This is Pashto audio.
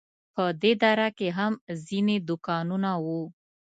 په دې دره کې هم ځینې دوکانونه وو.